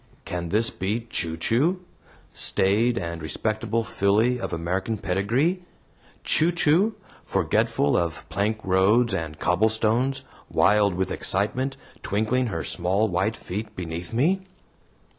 Can this be "Chu Chu," staid and respectable filly of American pedigree Chu Chu, forgetful of plank roads and cobblestones, wild with excitement, twinkling her small white feet beneath me?